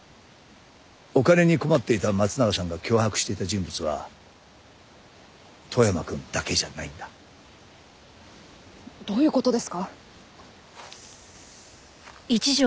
お金に困っていた松永さんが脅迫していた人物は富山くんだけじゃないんだ。どういう事ですか？